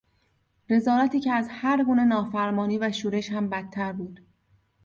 رذالتی که از هر گونه نافرمانی و شورش هم بدتر بود.